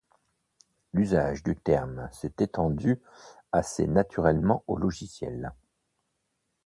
L'usage du terme s'est étendu assez naturellement au logiciel.